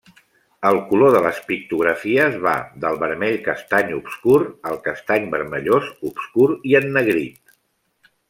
El color de les pictografies va del vermell-castany obscur al castany-vermellós obscur i ennegrit.